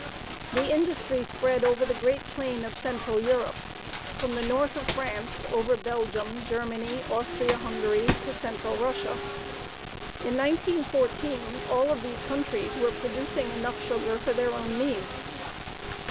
The industry spread over the great plain of Central Europe, from the north of France over Belgium, Germany, Austria Hungary to Central Russia. In 1914 all of these countries were producing enough sugar for their own needs.